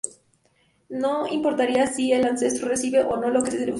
No importaría si el ancestro recibe o no lo que se le ofrece.